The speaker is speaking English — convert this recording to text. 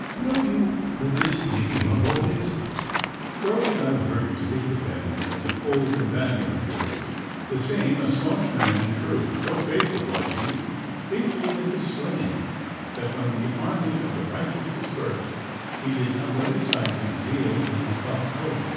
Know you who this Dicky Rumbold is?' 'Surely I have heard you speak of him as an old companion of yours.' 'The same a staunch man and true. So faithful was he faithful even to slaying that when the army of the righteous dispersed, he did not lay aside his zeal with his buff coat.